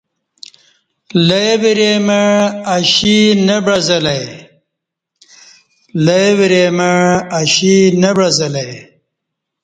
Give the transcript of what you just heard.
لے وری مع اشی نہ بعزہ لہ ای